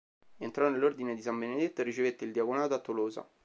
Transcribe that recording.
Entrò nell'Ordine di San Benedetto e ricevette il diaconato a Tolosa.